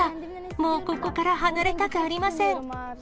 もうここから離れたくありません。